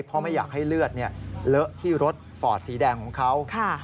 เพราะไม่อยากให้เลือดเลอะที่รถฟอร์ดสีแดงของเขา